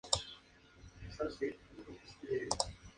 Es un pariente de las aves terrestres modernas como los avestruces.